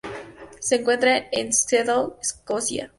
Se encuentra en Shetland, Escocia.